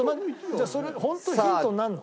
それホントにヒントになるの？